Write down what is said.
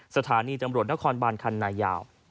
สถานีตำรวจนครบานคันนายาว